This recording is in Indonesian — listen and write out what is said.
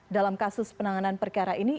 dalam kasus penanganan perkara ini